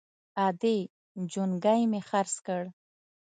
_ادې! جونګی مې خرڅ کړ!